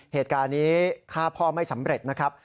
เหตุการณ์นี้ฆ่าพ่อไม่สำเร็จนะครับ